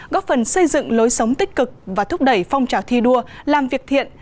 góp phần xây dựng lối sống tích cực và thúc đẩy phong trào thi đua làm việc thiện